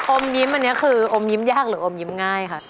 อมยิ้มอันนี้คืออมยิ้มยากหรืออมยิ้มง่ายค่ะ